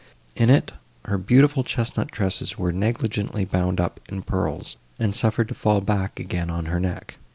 In it, her beautiful chestnut tresses were negligently bound up in pearls, and suffered to fall back again on her neck.